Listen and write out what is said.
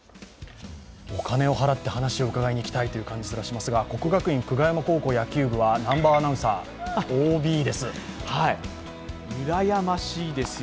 お金を払って、話を伺いに行きたいという気すらしますが国学院久我山高校野球部は南波アナウンサーうらやましいですよ。